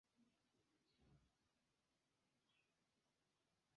Komence romianoj, poste avaroj vivis tie.